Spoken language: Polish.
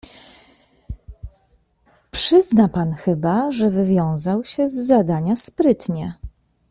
"Przyzna pan chyba, że wywiązał się z zadania sprytnie."